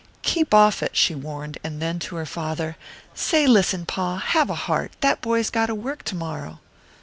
"Keep off it," she warned, and then to her father, "Say, listen, Pa, have a heart; that boy's got to work to morrow."